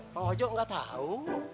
bang ojo nggak tau